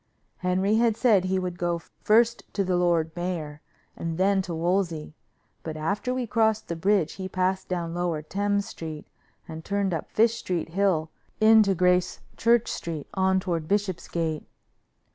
Henry had said he would go first to the lord mayor and then to Wolsey, but after we crossed the Bridge he passed down Lower Thames street and turned up Fish street Hill into Grace Church street on toward Bishopsgate.